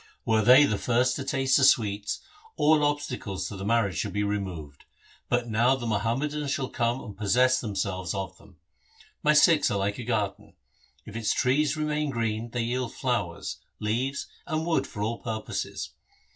Were they the first to taste the sweets, all obstacles to the marriage should be removed, but now the Muhammadans shall come and possess themse ves of them. My Sikhs are like a garden. If its trees remain green they yield flowers, leaves, and wood for all purposes.